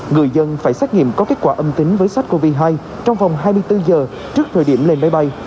người dân phải xét nghiệm có kết quả âm tính với sars cov hai trong vòng hai mươi bốn giờ trước thời điểm lên máy bay